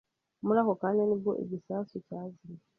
Muri ako kanya ni bwo igisasu cyazimye.